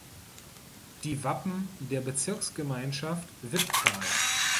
Die Wappen der Bezirksgemeinschaft Wipptal